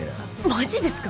マジですか？